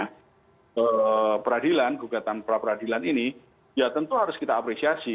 nah peradilan gugatan pra peradilan ini ya tentu harus kita apresiasi